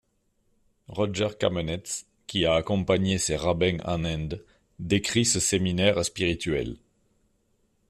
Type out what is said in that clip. Rodger Kamenetz qui a accompagné ces rabbins en Inde décrit ce séminaire spirituel.